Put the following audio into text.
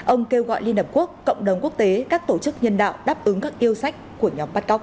ông kêu gọi liên hợp quốc cộng đồng quốc tế các tổ chức nhân đạo đáp ứng các yêu sách của nhóm bắt cóc